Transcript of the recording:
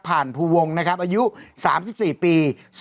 ภูวงนะครับอายุ๓๔ปี